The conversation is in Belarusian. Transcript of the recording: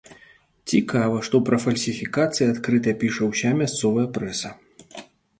Цікава, што пра фальсіфікацыі адкрыта піша ўся мясцовая прэса.